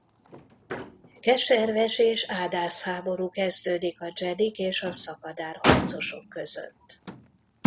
Keserves és ádáz háború kezdődik a Jedik és a szakadár harcosok között.